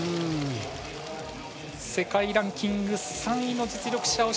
世界ランキング３位の実力者。